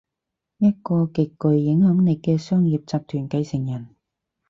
一個極具影響力嘅商業集團繼承人